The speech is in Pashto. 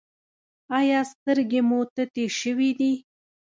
ایا سترګې مو تتې شوې دي؟